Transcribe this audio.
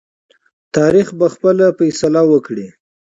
تاریخ به خپل فیصله وکړي.